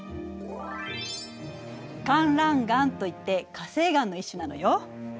「かんらん岩」といって火成岩の一種なのよ。